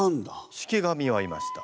式神はいました。